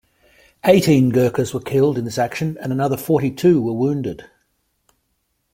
Eighteen Gurkhas were killed in this action and another forty-two were wounded.